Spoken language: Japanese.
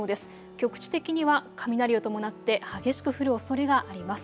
局地的には雷を伴って激しく降るおそれがあります。